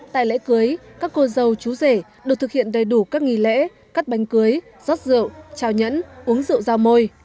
tại lễ cưới các cô dâu chú rể được thực hiện đầy đủ các nghỉ lễ cắt bánh cưới rót rượu chào nhẫn uống rượu ra môi